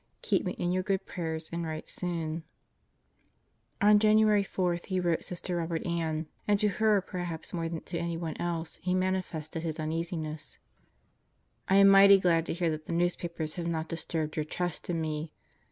Keep me in your good prayers and write soon. ... On January 4 he wrote Sister Robert Ann, and to her perhaps more than to anyone else, he manifested his uneasiness: I am mighty glad to hear that the newspapers have not disturbed your trust in me.